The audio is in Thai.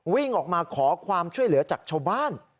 วิ่งออกมาขอความช่วยเหลือจากชาวบ้าน